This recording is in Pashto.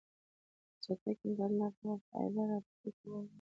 د چټک انټرنیټ لپاره فایبر آپټیک غوره دی.